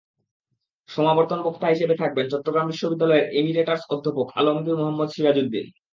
সমাবর্তন বক্তা হিসেবে থাকবেন চট্টগ্রাম বিশ্ববিদ্যালয়ের ইমেরিটাস অধ্যাপক আলমগীর মোহাম্মদ সিরাজুদ্দীন।